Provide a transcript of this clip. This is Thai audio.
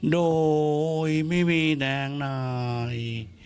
โดยไม่มีแดงนาย